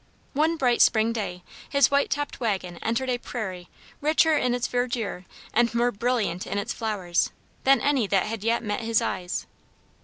One bright spring day his white topped wagon entered a prairie richer in its verdure and more brilliant in its flowers, than any that had yet met his eyes.